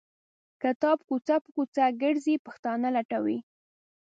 کتاب کوڅه په کوڅه ګرځي پښتانه لټوي.